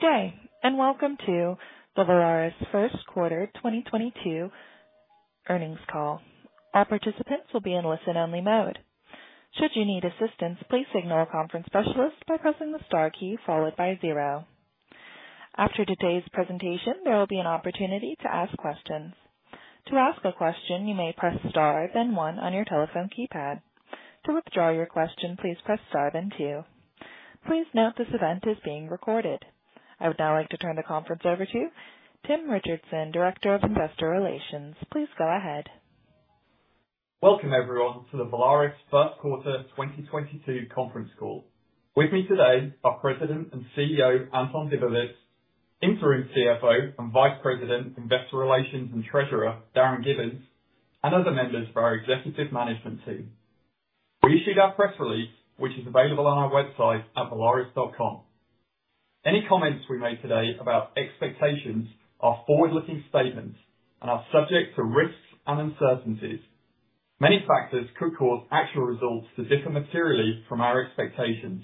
Good day, and welcome to the Valaris Q1 2022 earnings call. All participants will be in listen-only mode. Should you need assistance, please signal a conference specialist by pressing the star key followed by zero. After today's presentation, there will be an opportunity to ask questions. To ask a question, you may press star then one on your telephone keypad. To withdraw your question, please press star then two. Please note this event is being recorded. I would now like to turn the conference over to Tim Richardson, Director of Investor Relations. Please go ahead. Welcome everyone to the Valaris Q1 2022 conference call. With me today are President and CEO, Anton Dibowitz, Interim CFO and Vice President, Investor Relations and Treasurer, Darin Gibbins, and other members of our executive management team. We issued our press release, which is available on our website at valaris.com. Any comments we make today about expectations are forward-looking statements and are subject to risks and uncertainties. Many factors could cause actual results to differ materially from our expectations.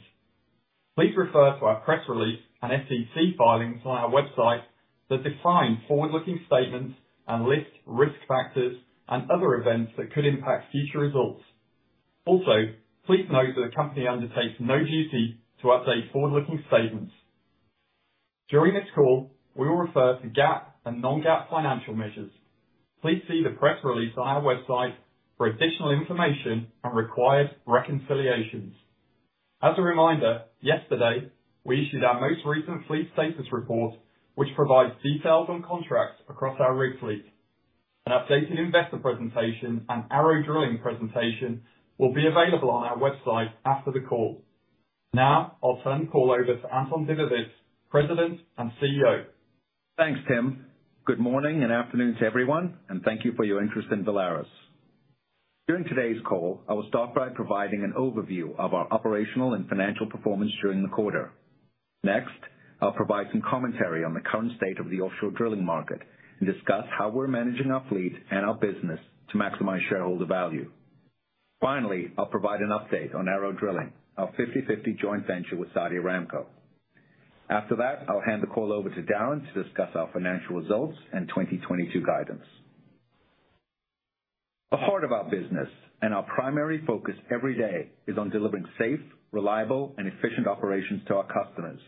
Please refer to our press release and SEC filings on our website that define forward-looking statements and list risk factors and other events that could impact future results. Also, please note that the company undertakes no duty to update forward-looking statements. During this call, we will refer to GAAP and non-GAAP financial measures. Please see the press release on our website for additional information and required reconciliations. As a reminder, yesterday, we issued our most recent fleet status report, which provides details on contracts across our rig fleet. An updated investor presentation and ARO Drilling presentation will be available on our website after the call. Now, I'll turn the call over to Anton Dibowitz, President and CEO. Thanks, Tim. Good morning and afternoon to everyone, and thank you for your interest in Valaris. During today's call, I will start by providing an overview of our operational and financial performance during the quarter. Next, I'll provide some commentary on the current state of the offshore drilling market and discuss how we're managing our fleet and our business to maximize shareholder value. Finally, I'll provide an update on ARO Drilling, our 50/50 joint venture with Saudi Aramco. After that, I'll hand the call over to Darin to discuss our financial results and 2022 guidance. The heart of our business and our primary focus every day is on delivering safe, reliable, and efficient operations to our customers.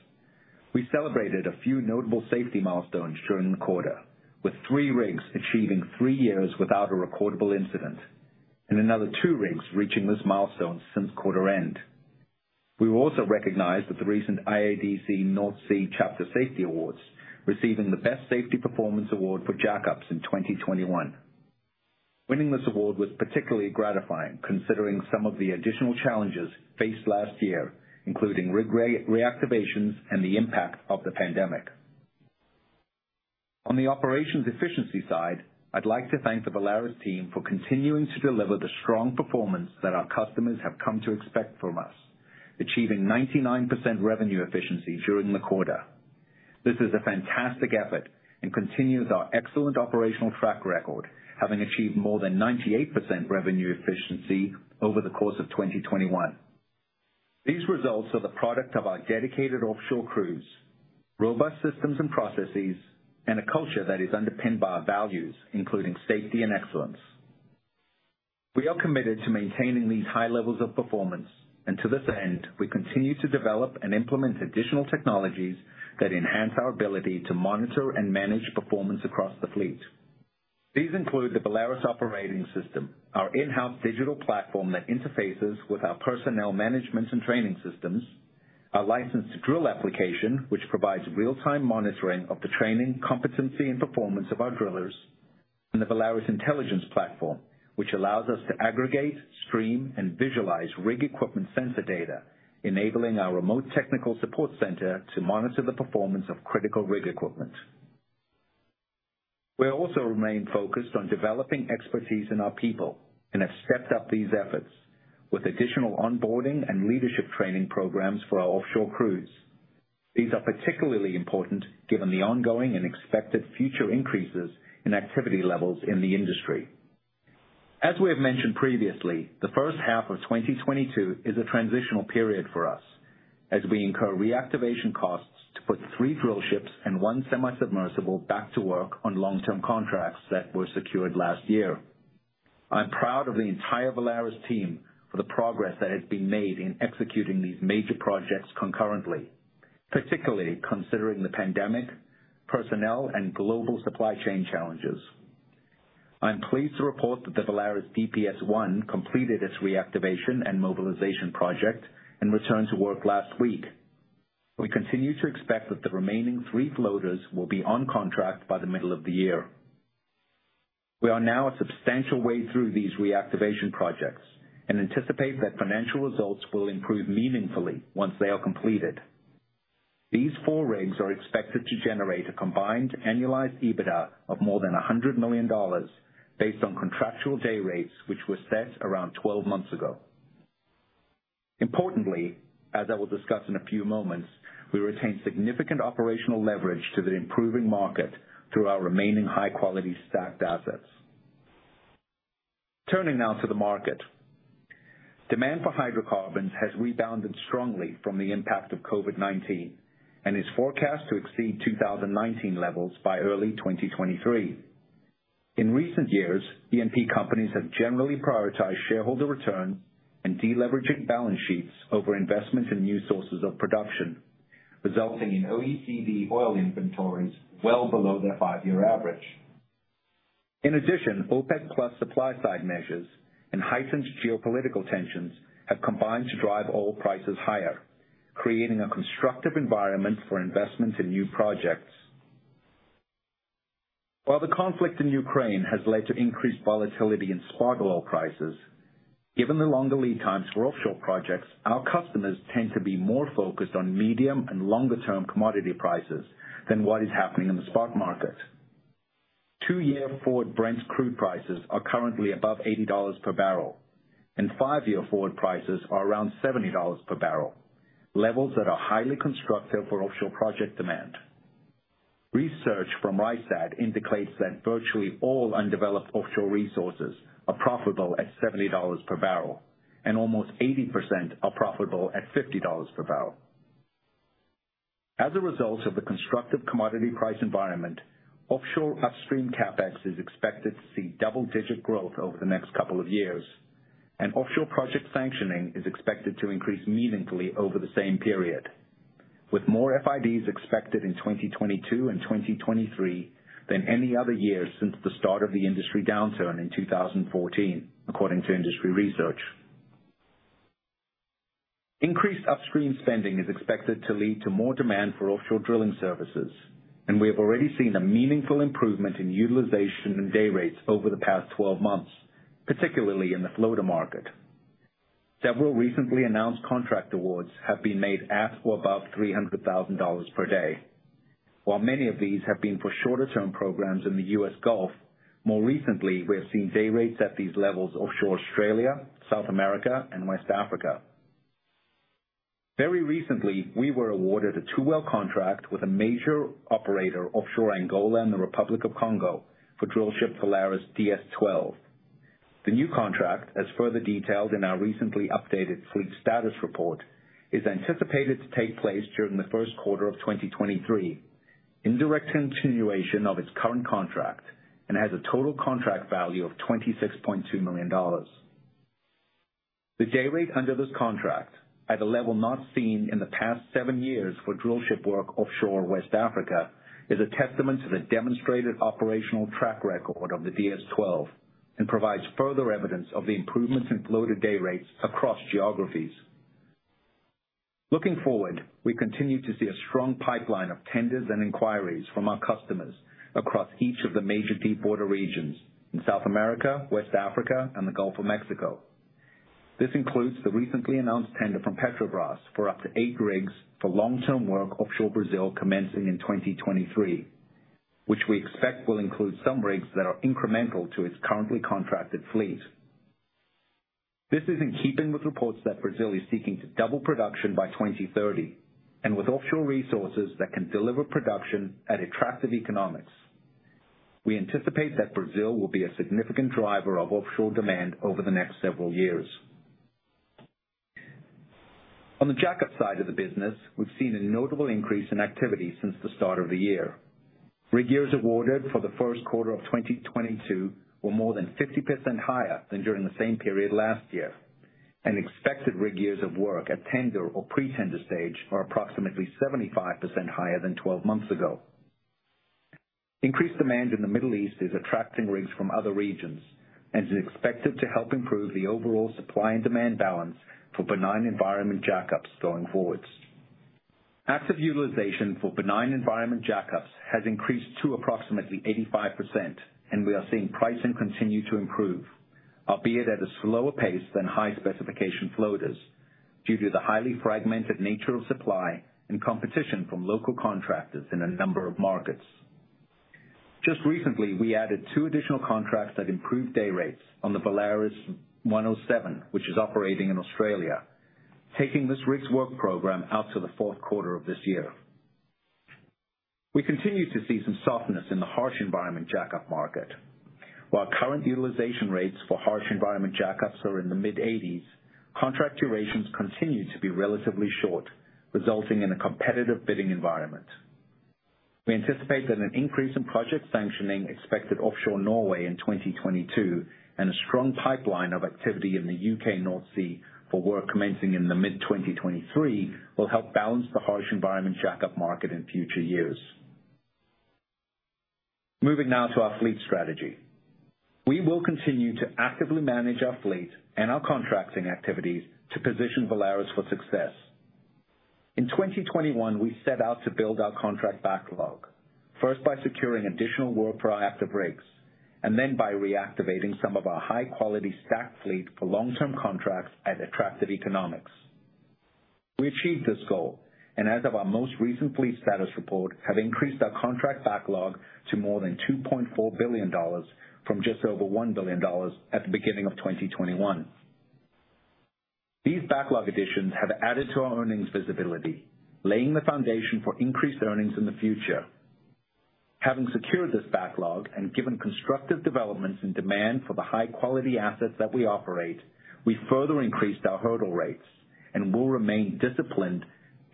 We celebrated a few notable safety milestones during the quarter, with three rigs achieving three years without a recordable incident, and another two rigs reaching this milestone since quarter end. We were also recognized with the recent IADC North Sea Chapter Safety Awards, receiving the Best Safety Performance Award for jack-ups in 2021. Winning this award was particularly gratifying, considering some of the additional challenges faced last year, including rig reactivations and the impact of the pandemic. On the operations efficiency side, I'd like to thank the Valaris team for continuing to deliver the strong performance that our customers have come to expect from us, achieving 99% revenue efficiency during the quarter. This is a fantastic effort and continues our excellent operational track record, having achieved more than 98% revenue efficiency over the course of 2021. These results are the product of our dedicated offshore crews, robust systems and processes, and a culture that is underpinned by our values, including safety and excellence. We are committed to maintaining these high levels of performance. To this end, we continue to develop and implement additional technologies that enhance our ability to monitor and manage performance across the fleet. These include the Valaris Operating System, our in-house digital platform that interfaces with our personnel management and training systems, our licensed drill application, which provides real-time monitoring of the training, competency and performance of our drillers, and the Valaris Intelligence Platform, which allows us to aggregate, stream, and visualize rig equipment sensor data, enabling our remote technical support center to monitor the performance of critical rig equipment. We also remain focused on developing expertise in our people and have stepped up these efforts with additional onboarding and leadership training programs for our offshore crews. These are particularly important given the ongoing and expected future increases in activity levels in the industry. As we have mentioned previously, the first half of 2022 is a transitional period for us as we incur reactivation costs to put three drillships and one semi-submersible back to work on long-term contracts that were secured last year. I'm proud of the entire Valaris team for the progress that has been made in executing these major projects concurrently, particularly considering the pandemic, personnel and global supply chain challenges. I'm pleased to report that the Valaris DPS-1 completed its reactivation and mobilization project and returned to work last week. We continue to expect that the remaining three floaters will be on contract by the middle of the year. We are now a substantial way through these reactivation projects and anticipate that financial results will improve meaningfully once they are completed. These four rigs are expected to generate a combined annualized EBITDA of more than $100 million based on contractual day rates, which were set around twelve months ago. Importantly, as I will discuss in a few moments, we retain significant operational leverage to the improving market through our remaining high-quality stacked assets. Turning now to the market. Demand for hydrocarbons has rebounded strongly from the impact of COVID-19 and is forecast to exceed 2019 levels by early 2023. In recent years, E&P companies have generally prioritized shareholder return and deleveraging balance sheets over investment in new sources of production, resulting in OECD oil inventories well below their five-year average. In addition, OPEC plus supply-side measures and heightened geopolitical tensions have combined to drive oil prices higher, creating a constructive environment for investment in new projects. While the conflict in Ukraine has led to increased volatility in spot oil prices, given the longer lead times for offshore projects, our customers tend to be more focused on medium and longer-term commodity prices than what is happening in the spot market. Two year forward Brent crude prices are currently above $80 per barrel, and five year forward prices are around $70 per barrel, levels that are highly constructive for offshore project demand. Research from Rystad indicates that virtually all undeveloped offshore resources are profitable at $70 per barrel, and almost 80% are profitable at $50 per barrel. As a result of the constructive commodity price environment, offshore upstream CapEx is expected to see double-digit growth over the next couple of years, and offshore project sanctioning is expected to increase meaningfully over the same period, with more FIDs expected in 2022 and 2023 than any other year since the start of the industry downturn in 2014, according to industry research. Increased upstream spending is expected to lead to more demand for offshore drilling services, and we have already seen a meaningful improvement in utilization and day rates over the past 12 months, particularly in the floater market. Several recently announced contract awards have been made at or above $300,000 per day. While many of these have been for shorter-term programs in the US Gulf, more recently, we have seen day rates at these levels offshore Australia, South America, and West Africa. Very recently, we were awarded a two-well contract with a major operator offshore Angola and the Republic of Congo for drillship Valaris DS-12. The new contract, as further detailed in our recently updated fleet status report, is anticipated to take place during the Q1 of 2023 in direct continuation of its current contract and has a total contract value of $26.2 million. The day rate under this contract, at a level not seen in the past seven years for drillship work offshore West Africa, is a testament to the demonstrated operational track record of the DS-12 and provides further evidence of the improvements in floater day rates across geographies. Looking forward, we continue to see a strong pipeline of tenders and inquiries from our customers across each of the major deep-water regions in South America, West Africa, and the Gulf of Mexico. This includes the recently announced tender from Petrobras for up to eight rigs for long-term work offshore Brazil commencing in 2023, which we expect will include some rigs that are incremental to its currently contracted fleet. This is in keeping with reports that Brazil is seeking to double production by 2030 and with offshore resources that can deliver production at attractive economics. We anticipate that Brazil will be a significant driver of offshore demand over the next several years. On the jack-up side of the business, we've seen a notable increase in activity since the start of the year. Rig years awarded for the Q1 of 2022 were more than 50% higher than during the same period last year, and expected rig years of work at tender or pre-tender stage are approximately 75% higher than 12 months ago. Increased demand in the Middle East is attracting rigs from other regions and is expected to help improve the overall supply and demand balance for benign-environment jack-ups going forwards. Active utilization for benign-environment jack-ups has increased to approximately 85%, and we are seeing pricing continue to improve, albeit at a slower pace than high-specification floaters due to the highly fragmented nature of supply and competition from local contractors in a number of markets. Just recently, we added two additional contracts that improved day rates on the Valaris 107, which is operating in Australia, taking this rig's work program out to the Q4 of this year. We continue to see some softness in the harsh environment jack-up market. While current utilization rates for harsh-environment jack-ups are in the mid-80s, contract durations continue to be relatively short, resulting in a competitive bidding environment. We anticipate that an increase in project sanctioning expected offshore Norway in 2022 and a strong pipeline of activity in the UK North Sea for work commencing in the mid-2023 will help balance the harsh environment jack-up market in future years. Moving now to our fleet strategy. We will continue to actively manage our fleet and our contracting activities to position Valaris for success. In 2021, we set out to build our contract backlog, first by securing additional work for our active rigs, and then by reactivating some of our high-quality stacked fleet for long-term contracts at attractive economics. We achieved this goal, and as of our most recent fleet status report, have increased our contract backlog to more than $2.4 billion from just over $1 billion at the beginning of 2021. These backlog additions have added to our earnings visibility, laying the foundation for increased earnings in the future. Having secured this backlog and given constructive developments in demand for the high-quality assets that we operate, we further increased our hurdle rates and will remain disciplined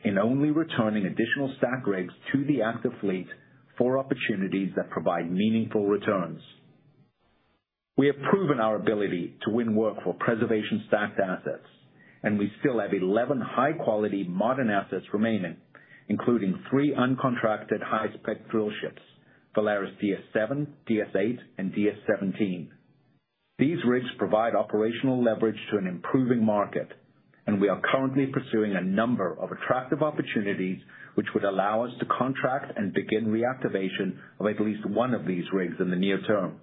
in only returning additional stacked rigs to the active fleet for opportunities that provide meaningful returns. We have proven our ability to win work for preservation-stacked assets, and we still have 11 high-quality modern assets remaining, including three uncontracted high-spec drillships, Valaris DS-7, DS-8, and DS-17. These rigs provide operational leverage to an improving market, and we are currently pursuing a number of attractive opportunities, which would allow us to contract and begin reactivation of at least one of these rigs in the near term.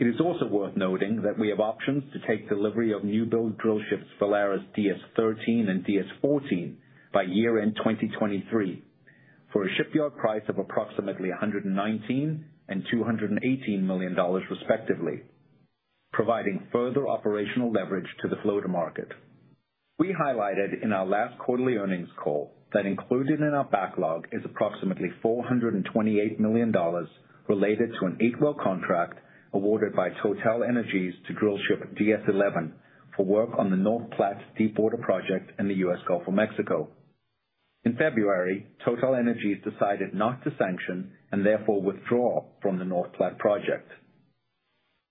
It is also worth noting that we have options to take delivery of new build drillships Valaris DS-13 and DS-14 by year-end 2023 for a shipyard price of approximately $119 million and $218 million respectively, providing further operational leverage to the floater market. We highlighted in our last quarterly earnings call that included in our backlog is approximately $428 million related to an eight-well contract awarded by TotalEnergies to drillship DS-11 for work on the North Platte deepwater project in the US Gulf of Mexico. In February, TotalEnergies decided not to sanction and therefore withdraw from the North Platte project.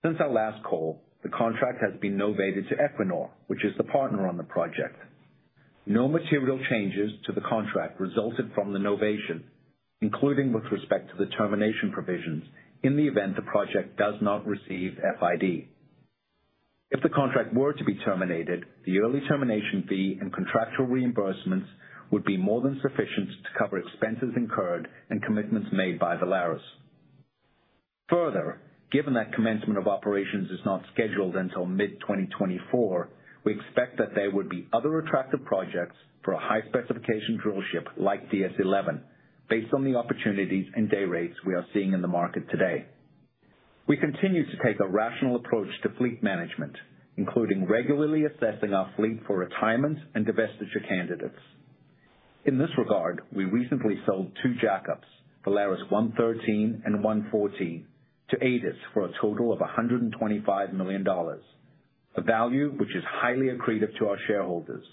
Since our last call, the contract has been novated to Equinor, which is the partner on the project. No material changes to the contract resulted from the novation, including with respect to the termination provisions in the event the project does not receive FID. If the contract were to be terminated, the early termination fee and contractual reimbursements would be more than sufficient to cover expenses incurred and commitments made by Valaris. Further, given that commencement of operations is not scheduled until mid-2024, we expect that there would be other attractive projects for a high-specification drillship like DS-11 based on the opportunities and day rates we are seeing in the market today. We continue to take a rational approach to fleet management, including regularly assessing our fleet for retirement and divestiture candidates. In this regard, we recently sold two jack-ups, Valaris 113 and 114, to ADES for a total of $125 million, a value which is highly accretive to our shareholders.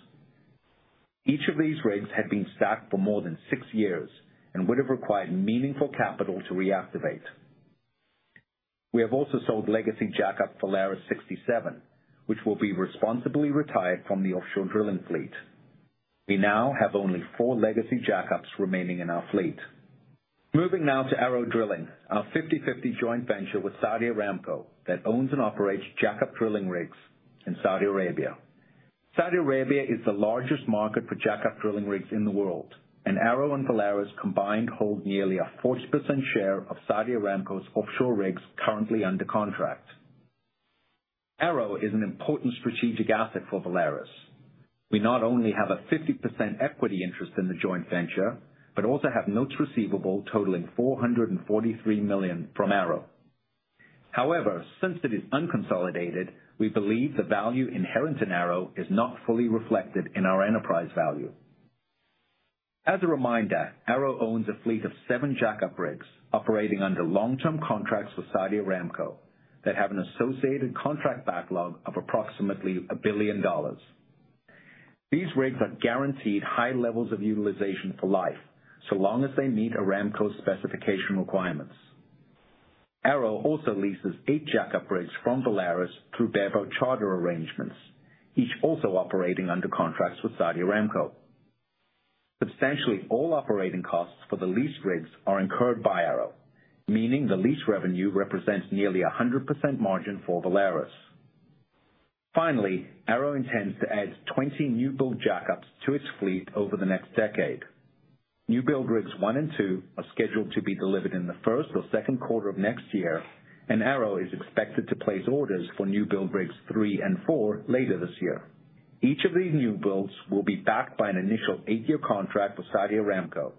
Each of these rigs had been stacked for more than six years and would have required meaningful capital to reactivate. We have also sold legacy jack-up Valaris 67, which will be responsibly retired from the offshore drilling fleet. We now have only four legacy jack-ups remaining in our fleet. Moving now to ARO Drilling, our 50/50 joint venture with Saudi Aramco that owns and operates jack-up drilling rigs in Saudi Arabia. Saudi Arabia is the largest market for jack-up drilling rigs in the world, and ARO and Valaris combined hold nearly a 40% share of Saudi Aramco's offshore rigs currently under contract. ARO is an important strategic asset for Valaris. We not only have a 50% equity interest in the joint venture but also have notes receivable totaling $443 million from ARO. However, since it is unconsolidated, we believe the value inherent in ARO is not fully reflected in our enterprise value. As a reminder, ARO owns a fleet of seven jack-up rigs operating under long-term contracts with Saudi Aramco that have an associated contract backlog of approximately $1 billion. These rigs are guaranteed high levels of utilization for life, so long as they meet Aramco's specification requirements. ARO also leases eight jack-up rigs from Valaris through bareboat charter arrangements, each also operating under contracts with Saudi Aramco. Substantially all operating costs for the leased rigs are incurred by ARO, meaning the lease revenue represents nearly 100% margin for Valaris. Finally, ARO intends to add 20 newbuild jack-ups to its fleet over the next decade. Newbuild rigs one and two are scheduled to be delivered in the Q1 or Q2 of next year, and ARO is expected to place orders for newbuild rigs three and four later this year. Each of these newbuilds will be backed by an initial eight-year contract with Saudi Aramco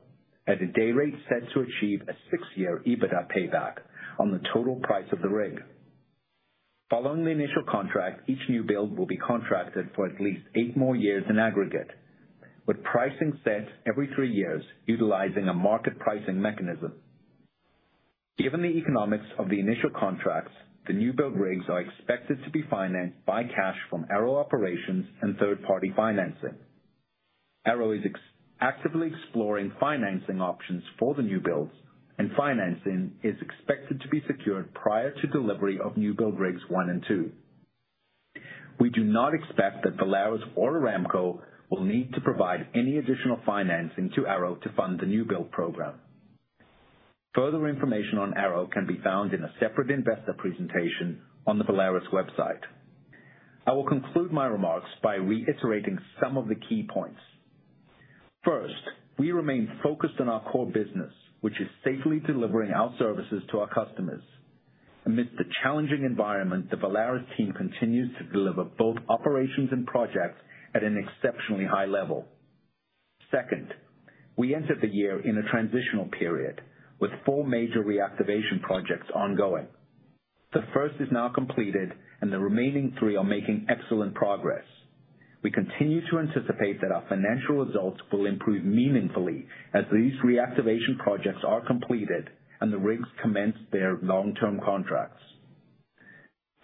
at a day rate set to achieve a six-year EBITDA payback on the total price of the rig. Following the initial contract, each newbuild will be contracted for at least eight more years in aggregate, with pricing set every three years utilizing a market pricing mechanism. Given the economics of the initial contracts, the newbuild rigs are expected to be financed by cash from ARO operations and third-party financing. ARO is actively exploring financing options for the new builds, and financing is expected to be secured prior to delivery of new build rigs one and two. We do not expect that Valaris or Aramco will need to provide any additional financing to ARO to fund the new build program. Further information on ARO can be found in a separate investor presentation on the Valaris website. I will conclude my remarks by reiterating some of the key points. First, we remain focused on our core business, which is safely delivering our services to our customers. Amidst the challenging environment, the Valaris team continues to deliver both operations and projects at an exceptionally high level. Second, we entered the year in a transitional period with four major reactivation projects ongoing. The first is now completed and the remaining three are making excellent progress. We continue to anticipate that our financial results will improve meaningfully as these reactivation projects are completed and the rigs commence their long-term contracts.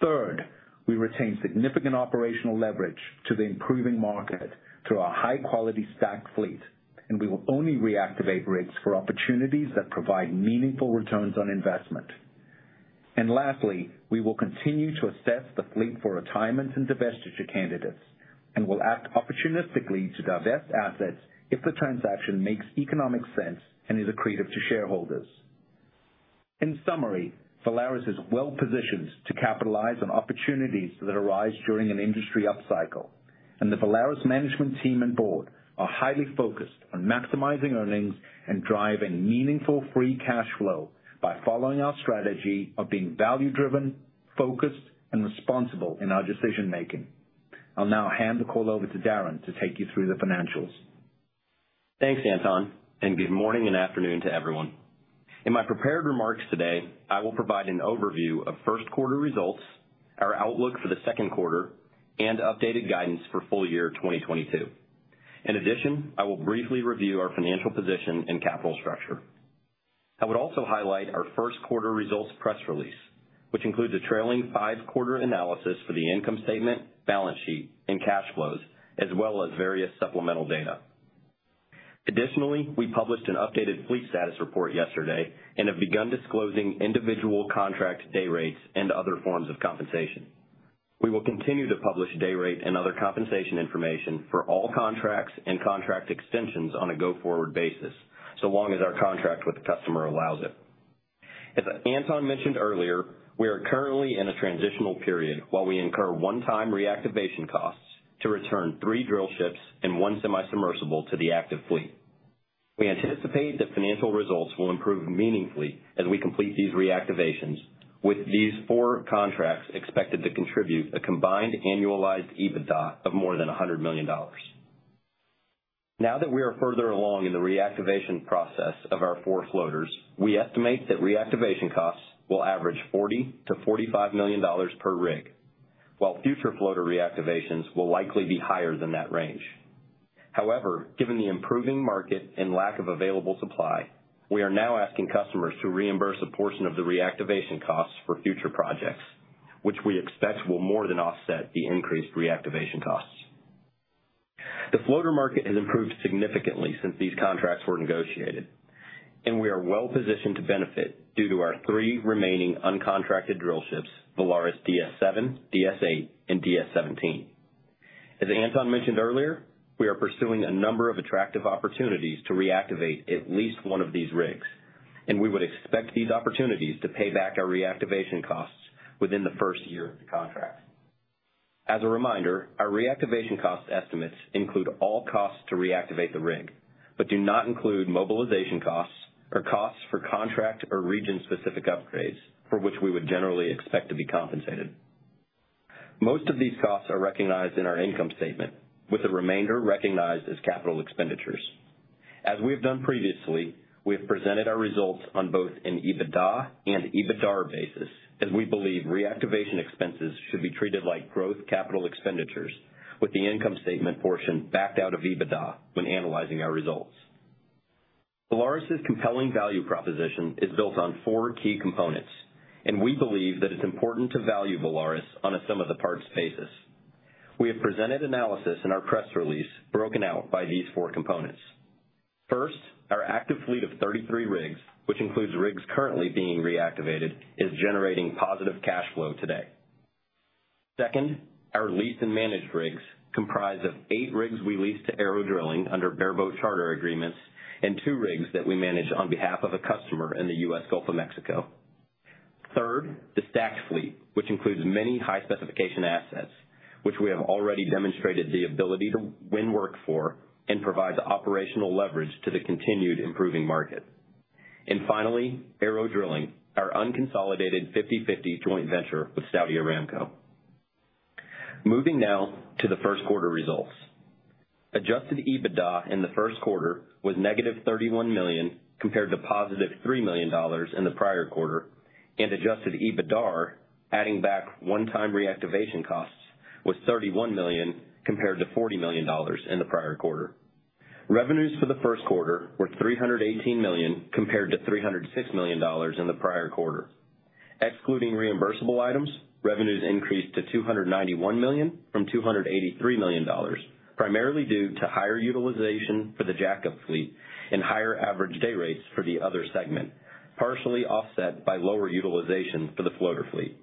Third, we retain significant operational leverage to the improving market through our high-quality stacked fleet, and we will only reactivate rigs for opportunities that provide meaningful returns on investment. Lastly, we will continue to assess the fleet for retirement and divestiture candidates, and will act opportunistically to divest assets if the transaction makes economic sense and is accretive to shareholders. In summary, Valaris is well-positioned to capitalize on opportunities that arise during an industry upcycle, and the Valaris management team and board are highly focused on maximizing earnings and driving meaningful free cash flow by following our strategy of being value-driven, focused, and responsible in our decision-making. I'll now hand the call over to Darin to take you through the financials. Thanks, Anton, and good morning and afternoon to everyone. In my prepared remarks today, I will provide an overview of Q1 results, our outlook for the Q2, and updated guidance for full year 2022. In addition, I will briefly review our financial position and capital structure. I would also highlight our Q1 results press release, which includes a trailing five quarter analysis for the income statement, balance sheet, and cash flows, as well as various supplemental data. Additionally, we published an updated fleet status report yesterday and have begun disclosing individual contract day rates and other forms of compensation. We will continue to publish day rate and other compensation information for all contracts and contract extensions on a go-forward basis, so long as our contract with the customer allows it. As Anton mentioned earlier, we are currently in a transitional period while we incur one-time reactivation costs to return three drillships and one semi-submersible to the active fleet. We anticipate that financial results will improve meaningfully as we complete these reactivations, with these four contracts expected to contribute a combined annualized EBITDA of more than $100 million. Now that we are further along in the reactivation process of our four floaters, we estimate that reactivation costs will average $40 to $45 million per rig, while future floater reactivations will likely be higher than that range. However, given the improving market and lack of available supply, we are now asking customers to reimburse a portion of the reactivation costs for future projects, which we expect will more than offset the increased reactivation costs. The floater market has improved significantly since these contracts were negotiated, and we are well-positioned to benefit due to our three remaining uncontracted drillships, Valaris DS-7, DS-8, and DS-17. As Anton mentioned earlier, we are pursuing a number of attractive opportunities to reactivate at least one of these rigs, and we would expect these opportunities to pay back our reactivation costs within the first year of the contract. As a reminder, our reactivation cost estimates include all costs to reactivate the rig, but do not include mobilization costs or costs for contract or region-specific upgrades, for which we would generally expect to be compensated. Most of these costs are recognized in our income statement, with the remainder recognized as capital expenditures. As we have done previously, we have presented our results on both an EBITDA and EBITDAR basis, as we believe reactivation expenses should be treated like growth capital expenditures, with the income statement portion backed out of EBITDA when analyzing our results. Valaris's compelling value proposition is built on four key components, and we believe that it's important to value Valaris on a sum of the parts basis. We have presented analysis in our press release broken out by these four components. First, our active fleet of 33 rigs, which includes rigs currently being reactivated, is generating positive cash flow today. Second, our leased and managed rigs comprise of eight rigs we lease to ARO Drilling under bareboat charter agreements and two rigs that we manage on behalf of a customer in the US Gulf of Mexico. Third, the stacked fleet, which includes many high-specification assets, which we have already demonstrated the ability to win work for and provide operational leverage to the continued improving market. Finally, ARO Drilling, our unconsolidated 50/50 joint venture with Saudi Aramco. Moving now to the Q1 results. Adjusted EBITDA in the Q1 was negative $31 million, compared to positive $3 million in the prior quarter, and adjusted EBITDAR, adding back one-time reactivation costs, was $31 million, compared to $40 million in the prior quarter. Revenues for the Q1 were $318 million, compared to $306 million in the prior quarter. Excluding reimbursable items, revenues increased to $291 million from $283 million, primarily due to higher utilization for the jack-up fleet and higher average day rates for the other segment, partially offset by lower utilization for the floater fleet.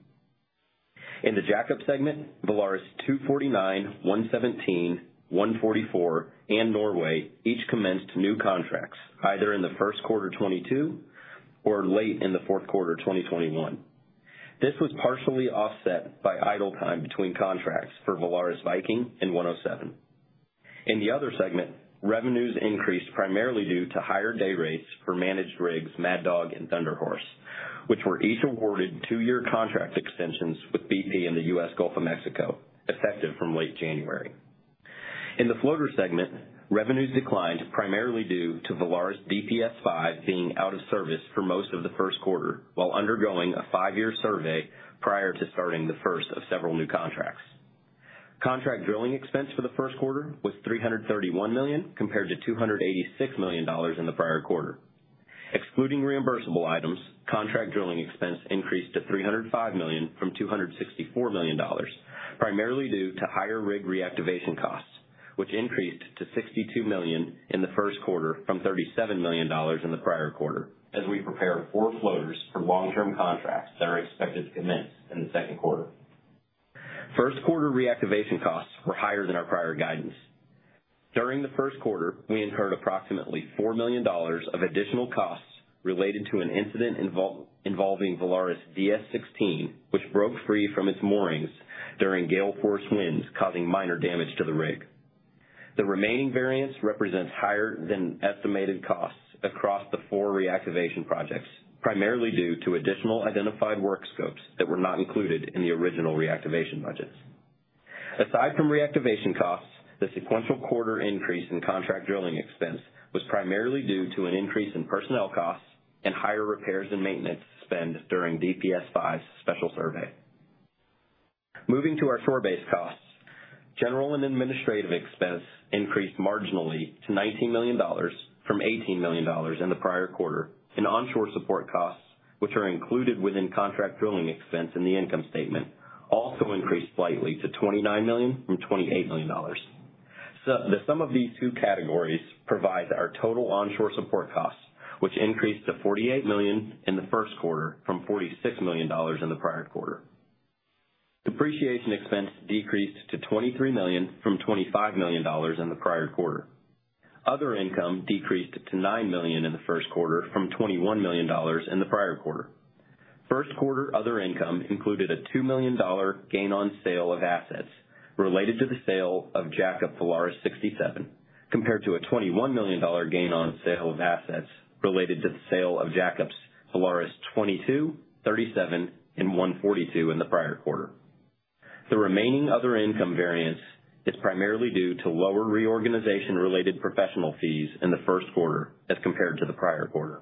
In the jack-up segment, Valaris 249, 117, 144, and Valaris Norway each commenced new contracts either in the Q1 2022 or late in the Q4 2021. This was partially offset by idle time between contracts for Valaris Viking and Valaris 107. In the other segment, revenues increased primarily due to higher day rates for managed rigs Mad Dog and Thunder Horse, which were each awarded two-year contract extensions with BP in the US Gulf of Mexico, effective from late January. In the floater segment, revenues declined primarily due to Valaris DPS-5 being out of service for most of the Q1 while undergoing a five-year survey prior to starting the first of several new contracts. Contract drilling expense for the Q1 was $331 million compared to $286 million in the prior quarter. Excluding reimbursable items, contract drilling expense increased to $305 million from $264 million, primarily due to higher rig reactivation costs, which increased to $62 million in the Q1 from $37 million in the prior quarter, as we prepare four floaters for long-term contracts that are expected to commence in the Q2. Q1 reactivation costs were higher than our prior guidance. During the Q1, we incurred approximately $4 million of additional costs related to an incident involving Valaris DS-16, which broke free from its moorings during gale force winds, causing minor damage to the rig. The remaining variance represents higher than estimated costs across the four reactivation projects, primarily due to additional identified work scopes that were not included in the original reactivation budgets. Aside from reactivation costs, the sequential quarter increase in contract drilling expense was primarily due to an increase in personnel costs and higher repairs and maintenance spend during DPS-5's special survey. Moving to our onshore costs. General and administrative expense increased marginally to $19 million from $18 million in the prior quarter, and onshore support costs, which are included within contract drilling expense in the income statement, also increased slightly to $29 million from $28 million. The sum of these two categories provides our total onshore support costs, which increased to $48 million in the Q1 from $46 million in the prior quarter. Depreciation expense decreased to $23 million from $25 million in the prior quarter. Other income decreased to $9 million in the Q1 from $21 million in the prior quarter. Q1 other income included a $2 million dollar gain on sale of assets related to the sale of jack-up Valaris 67, compared to a $21 million dollar gain on sale of assets related to the sale of jack-ups Valaris 22, 37, and 142 in the prior quarter. The remaining other income variance is primarily due to lower reorganization-related professional fees in the Q1 as compared to the prior quarter.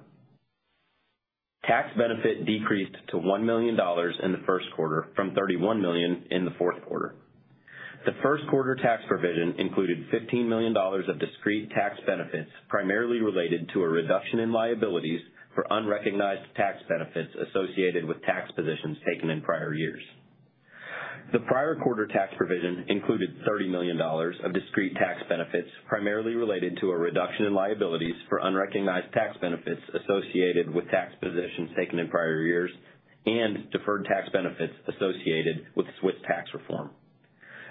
Tax benefit decreased to $1 million in the Q1 from $31 million in the Q4. The Q1 tax provision included $15 million of discrete tax benefits, primarily related to a reduction in liabilities for unrecognized tax benefits associated with tax positions taken in prior years. The prior quarter tax provision included $30 million of discrete tax benefits, primarily related to a reduction in liabilities for unrecognized tax benefits associated with tax positions taken in prior years and deferred tax benefits associated with Swiss tax reform.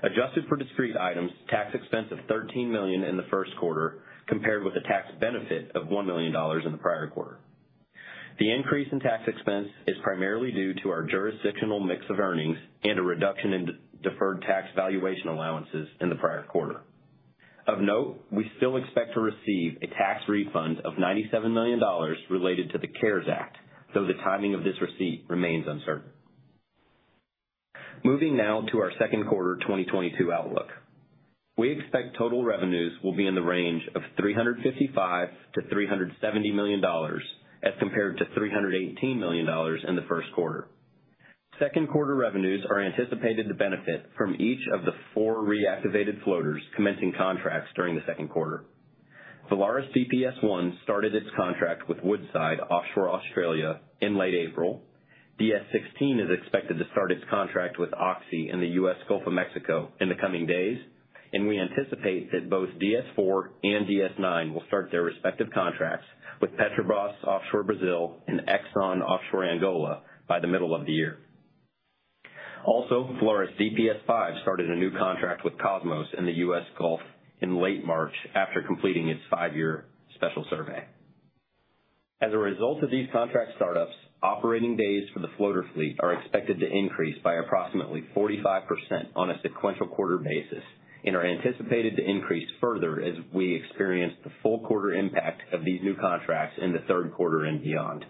Adjusted for discrete items, tax expense of $13 million in the Q1 compared with a tax benefit of $1 million in the prior quarter. The increase in tax expense is primarily due to our jurisdictional mix of earnings and a reduction in deferred tax valuation allowances in the prior quarter. Of note, we still expect to receive a tax refund of $97 million related to the CARES Act, though the timing of this receipt remains uncertain. Moving now to our Q2 2022 outlook. We expect total revenues will be in the range of $355 million to $370 million as compared to $318 million in the Q1. Q2 revenues are anticipated to benefit from each of the four reactivated floaters commencing contracts during the Q2. Valaris DPS-1 started its contract with Woodside in late April. DS-16 is expected to start its contract with Oxy in the US Gulf of Mexico in the coming days. We anticipate that both DS-4 and DS-9 will start their respective contracts with Petrobras in Brazil and Exxon in Angola by the middle of the year. Valaris DPS-5 started a new contract with Kosmos in the US Gulf in late March after completing its five-year special survey. As a result of these contract startups, operating days for the floater fleet are expected to increase by approximately 45% on a sequential quarter basis and are anticipated to increase further as we experience the full quarter impact of these new contracts in the Q3 and beyond.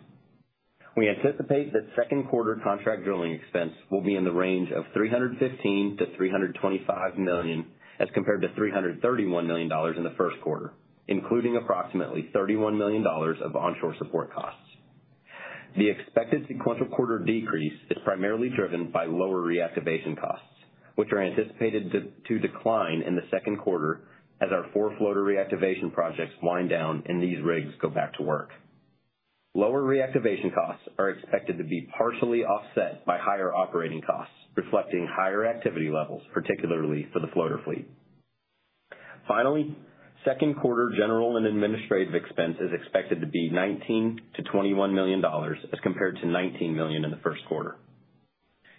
We anticipate that Q2 contract drilling expense will be in the range of $315 million to $325 million as compared to $331 million in the Q1, including approximately $31 million of onshore support costs. The expected sequential quarter decrease is primarily driven by lower reactivation costs, which are anticipated to decline in the Q2 as our four floater reactivation projects wind down and these rigs go back to work. Lower reactivation costs are expected to be partially offset by higher operating costs, reflecting higher activity levels, particularly for the floater fleet. Finally, Q2 general and administrative expense is expected to be $19 million to $21 million as compared to $19 million in the Q1.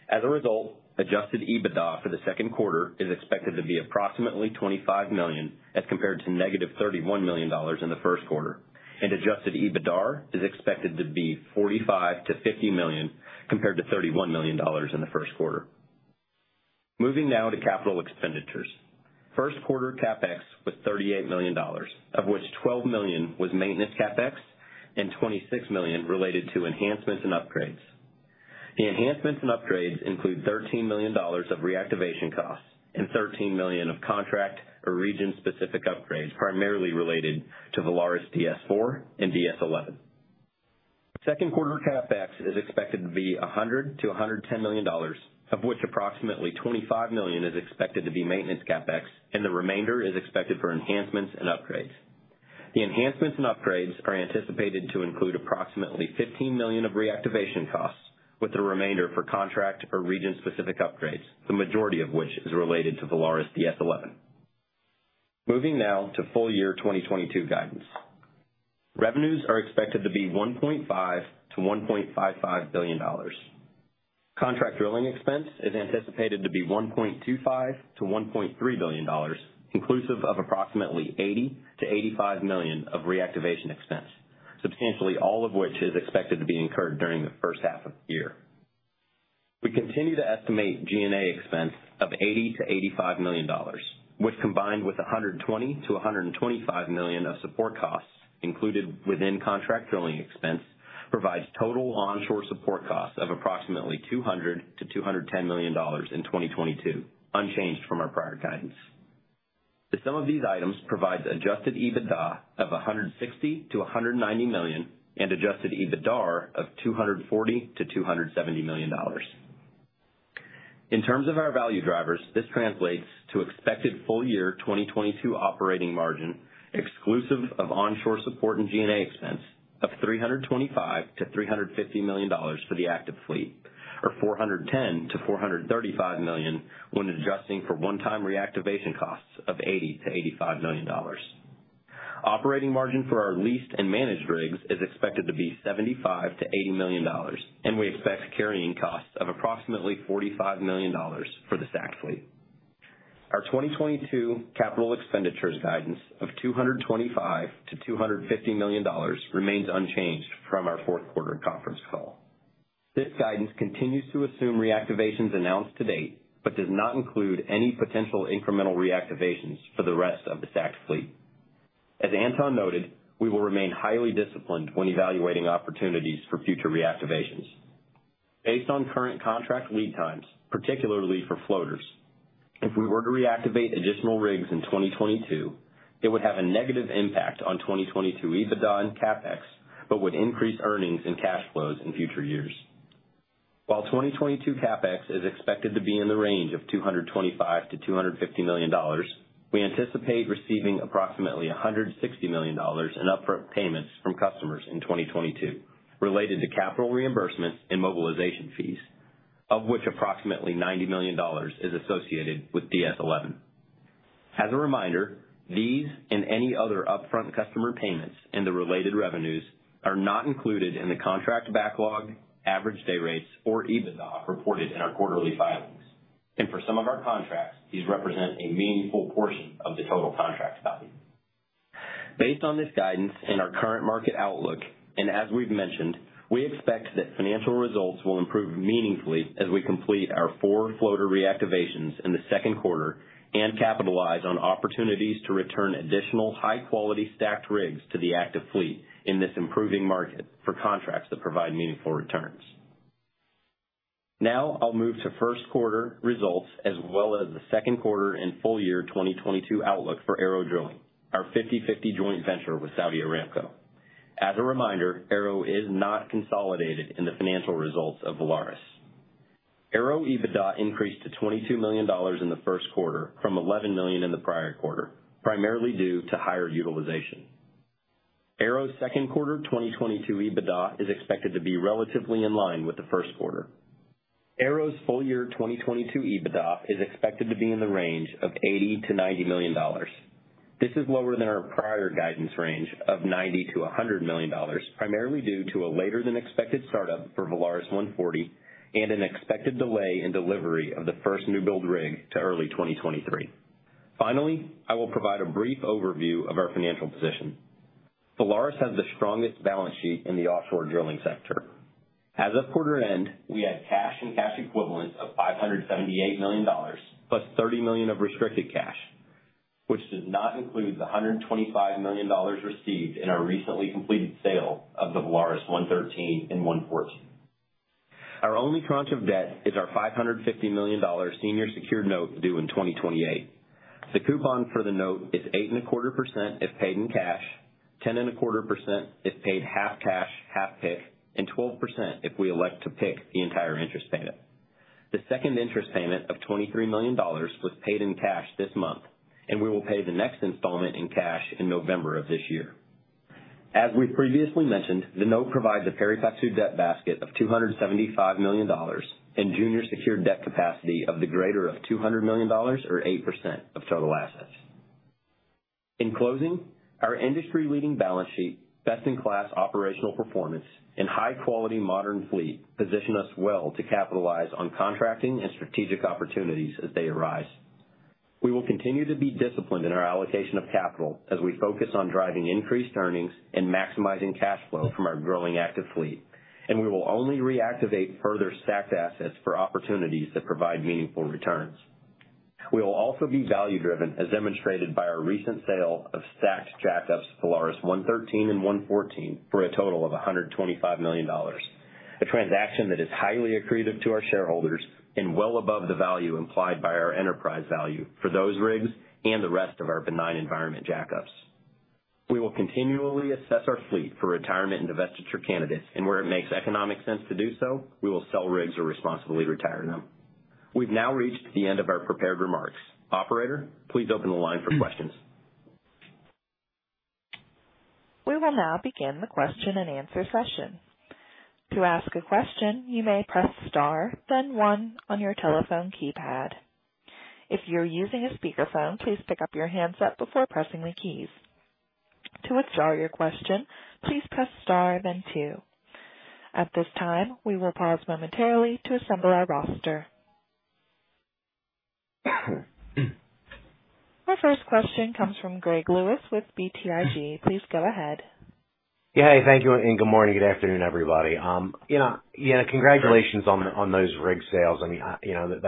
As a result, adjusted EBITDA for the Q2 is expected to be approximately $25 million as compared to -$31 million in the Q1, and adjusted EBITDAR is expected to be $45 million to $50 million, compared to $31 million in the Q1. Moving now to capital expenditures. Q1 CapEx was $38 million, of which $12 million was maintenance CapEx and $26 million related to enhancements and upgrades. The enhancements and upgrades include $13 million of reactivation costs and $13 million of contract or region-specific upgrades, primarily related to Valaris DS-4 and DS-11. Q2 CapEx is expected to be $100 to $110 million, of which approximately $25 million is expected to be maintenance CapEx, and the remainder is expected for enhancements and upgrades. The enhancements and upgrades are anticipated to include approximately $15 million of reactivation costs with the remainder for contract or region-specific upgrades, the majority of which is related to Valaris DS-11. Moving now to full year 2022 guidance. Revenues are expected to be $1.5 to $1.55 billion. Contract drilling expense is anticipated to be $1.25 billion to $1.3 billion, inclusive of approximately $80 million to $85 million of reactivation expense, substantially all of which is expected to be incurred during the first half of the year. We continue to estimate G&A expense of $80 million to $85 million, which combined with $120 million to $125 million of support costs included within contract drilling expense, provides total onshore support costs of approximately $200 million to $210 million in 2022, unchanged from our prior guidance. The sum of these items provides adjusted EBITDA of $160 million to $190 million and adjusted EBITDAR of $240 million to $270 million. In terms of our value drivers, this translates to expected full year 2022 operating margin exclusive of onshore support and G&A expense of $325 million to $350 million for the active fleet or $410 million to $435 million when adjusting for 1x reactivation costs of $80 million to $85 million. Operating margin for our leased and managed rigs is expected to be $75 million to $80 million, and we expect carrying costs of approximately $45 million for the stacked fleet. Our 2022 capital expenditures guidance of $225 million to $250 million remains unchanged from our Q4 conference call. This guidance continues to assume reactivations announced to date, but does not include any potential incremental reactivations for the rest of the stacked fleet. As Anton noted, we will remain highly disciplined when evaluating opportunities for future reactivations. Based on current contract lead times, particularly for floaters, if we were to reactivate additional rigs in 2022, it would have a negative impact on 2022 EBITDA and CapEx, but would increase earnings and cash flows in future years. While 2022 CapEx is expected to be in the range of $225 million to $250 million, we anticipate receiving approximately $160 million in upfront payments from customers in 2022 related to capital reimbursements and mobilization fees, of which approximately $90 million is associated with DS-11. As a reminder, these and any other upfront customer payments and the related revenues are not included in the contract backlog, average day rates or EBITDA reported in our quarterly filings. For some of our contracts, these represent a meaningful portion of the total contract value. Based on this guidance and our current market outlook, and as we've mentioned, we expect that financial results will improve meaningfully as we complete our four floater reactivations in the Q2 and capitalize on opportunities to return additional high-quality stacked rigs to the active fleet in this improving market for contracts that provide meaningful returns. Now I'll move to Q1 results as well as the Q2 and full year 2022 outlook for ARO Drilling, our 50/50 joint venture with Saudi Aramco. As a reminder, ARO is not consolidated in the financial results of Valaris. ARO EBITDA increased to $22 million in the Q1 from $11 million in the prior quarter, primarily due to higher utilization. ARO's Q2 2022 EBITDA is expected to be relatively in line with the Q1. ARO's full year 2022 EBITDA is expected to be in the range of $80 million to $90 million. This is lower than our prior guidance range of $90 million to $100 million, primarily due to a later than expected startup for Valaris 140 and an expected delay in delivery of the first new build rig to early 2023. Finally, I will provide a brief overview of our financial position. Valaris has the strongest balance sheet in the offshore drilling sector. As of quarter end, we have cash and cash equivalents of $578 million, plus $30 million of restricted cash, which does not include the $125 million received in our recently completed sale of the Valaris 113 and 114. Our only tranche of debt is our $550 million senior secured note due in 2028. The coupon for the note is 8.25% if paid in cash, 10.25% if paid half cash, half PIK, and 12% if we elect to PIK the entire interest payment. The second interest payment of $23 million was paid in cash this month, and we will pay the next installment in cash in November of this year. As we previously mentioned, the note provides a pari passu debt basket of $275 million and junior secured debt capacity of the greater of $200 million or 8% of total assets. In closing, our industry-leading balance sheet, best-in-class operational performance, and high-quality modern fleet position us well to capitalize on contracting and strategic opportunities as they arise. We will continue to be disciplined in our allocation of capital as we focus on driving increased earnings and maximizing cash flow from our growing active fleet. We will only reactivate further stacked assets for opportunities that provide meaningful returns. We will also be value-driven, as demonstrated by our recent sale of stacked jack-ups Valaris 113 and 114 for a total of $125 million, a transaction that is highly accretive to our shareholders and well above the value implied by our enterprise value for those rigs and the rest of our harsh environment jack-ups. We will continually assess our fleet for retirement and divestiture candidates, and where it makes economic sense to do so, we will sell rigs or responsibly retire them. We've now reached the end of our prepared remarks. Operator, please open the line for questions. We will now begin the question-and-answer session. To ask a question, you may press star then one on your telephone keypad. If you're using a speakerphone, please pick up your handset before pressing the keys. To withdraw your question, please press star then two. At this time, we will pause momentarily to assemble our roster. Our first question comes from Gregory Lewis with BTIG. Please go ahead. Yeah. Thank you, and good morning. Good afternoon, everybody. You know, yeah, congratulations on those rig sales. I mean, you know,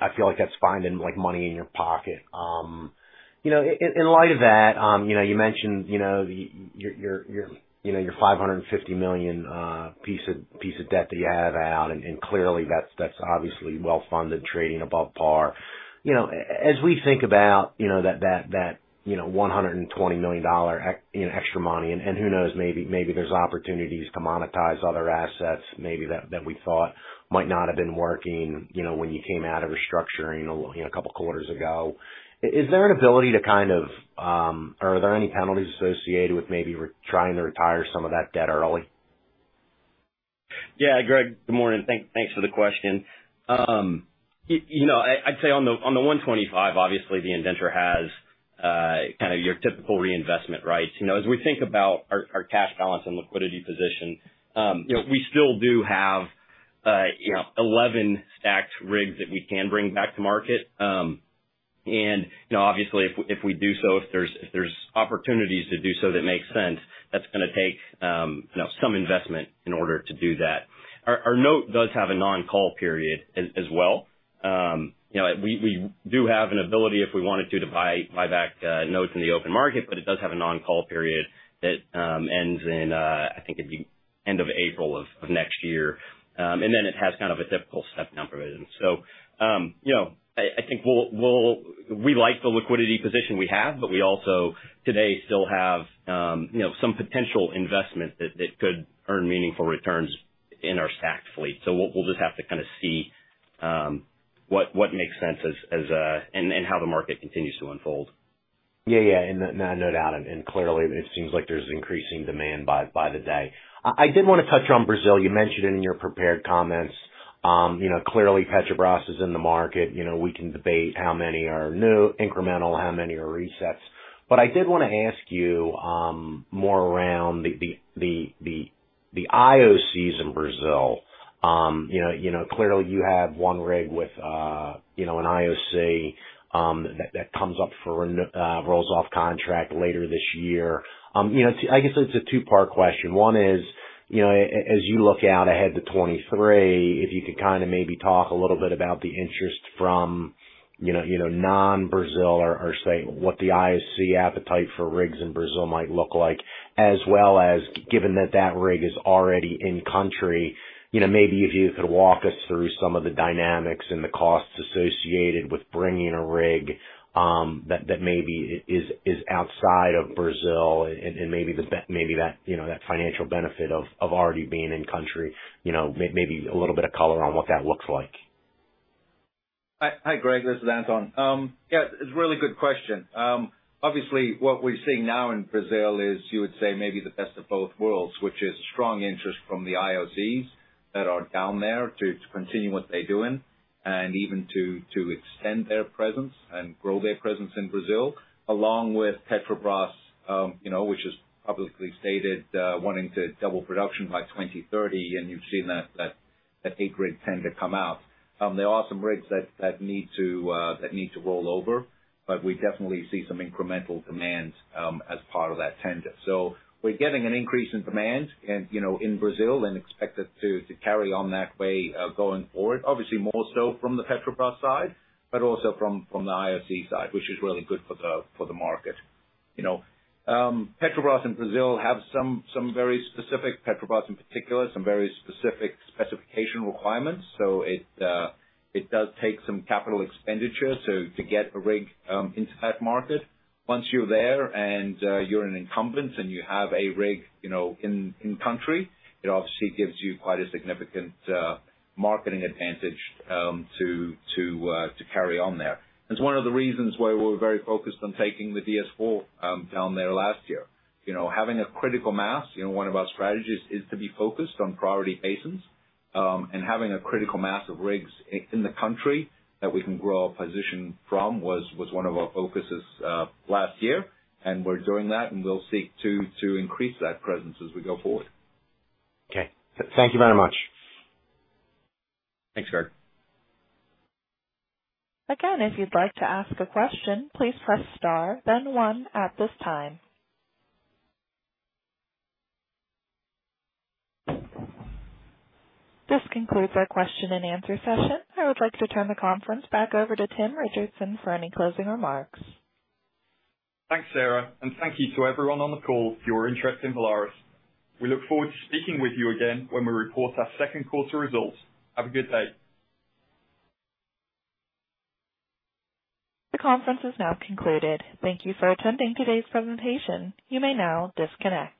I feel like that's finding like money in your pocket. You know, in light of that, you know, you mentioned, you know, your $550 million piece of debt that you have out, and clearly that's obviously well-funded, trading above par. You know, as we think about, you know, that $120 million extra money, and who knows, maybe there's opportunities to monetize other assets that we thought might not have been working, you know, when you came out of restructuring, you know, a couple quarters ago. Is there an ability to kind of... Are there any penalties associated with maybe trying to retire some of that debt early? Yeah. Greg, good morning. Thanks for the question. You know, I'd say on the 125, obviously the indenture has kinda your typical reinvestment rights. You know, as we think about our cash balance and liquidity position, you know, we still do have eleven stacked rigs that we can bring back to market. You know, obviously, if we do so, if there's opportunities to do so that makes sense, that's gonna take you know, some investment in order to do that. Our note does have a non-call period as well. You know, we do have an ability, if we wanted to buy back notes in the open market, but it does have a non-call period that ends in, I think it'd be end of April of next year. It has kind of a typical step-down provision. You know, I think we like the liquidity position we have, but we also today still have, you know, some potential investment that could earn meaningful returns in our stacked fleet. We'll just have to kinda see what makes sense as and how the market continues to unfold. Yeah. Yeah. No doubt. Clearly it seems like there's increasing demand by the day. I did wanna touch on Brazil. You mentioned it in your prepared comments. You know, clearly Petrobras is in the market. You know, we can debate how many are new, incremental, how many are resets. I did wanna ask you more around the IOCs in Brazil. You know, clearly you have one rig with an IOC that rolls off contract later this year. You know, I guess it's a two-part question. One is, you know, as you look out ahead to 2023, if you could kinda maybe talk a little bit about the interest from, you know, non-Brazil or say, what the IOC appetite for rigs in Brazil might look like, as well as given that that rig is already in country, you know, maybe if you could walk us through some of the dynamics and the costs associated with bringing a rig, that maybe is outside of Brazil and maybe that, you know, that financial benefit of already being in country, you know, maybe a little bit of color on what that looks like. Hi. Hi, Greg. This is Anton. Yeah, it's a really good question. Obviously what we're seeing now in Brazil is you would say maybe the best of both worlds, which is strong interest from the IOCs that are down there to continue what they're doing, and even to extend their presence and grow their presence in Brazil, along with Petrobras, you know, which has publicly stated wanting to double production by 2030, and you've seen that big rig tender come out. There are some rigs that need to roll over, but we definitely see some incremental demand as part of that tender. We're getting an increase in demand and, you know, in Brazil, and expect it to carry on that way, going forward, obviously more so from the Petrobras side, but also from the IOC side, which is really good for the market. You know, Petrobras and Brazil have some very specific, Petrobras in particular, some very specific specification requirements, so it does take some capital expenditure to get a rig into that market. Once you're there and you're an incumbent and you have a rig, you know, in country, it obviously gives you quite a significant marketing advantage to carry on there. It's one of the reasons why we're very focused on taking the DS-4 down there last year. You know, having a critical mass, you know, one of our strategies is to be focused on priority basins, and having a critical mass of rigs in the country that we can grow our position from was one of our focuses last year. We're doing that, and we'll seek to increase that presence as we go forward. Okay. Thank you very much. Thanks, Greg. Again, if you'd like to ask a question, please press star then one at this time. This concludes our question-and-answer session. I would like to turn the conference back over to Tim Richardson for any closing remarks. Thanks, Sarah. Thank you to everyone on the call for your interest in Valaris. We look forward to speaking with you again when we report our Q2 results. Have a good day. The conference is now concluded. Thank you for attending today's presentation. You may now disconnect.